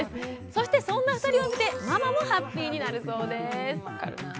そしてそんな２人を見てママもハッピーになるそうです。